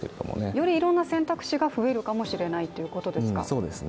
よりいろんな選択肢が増えるかもしれないということですか。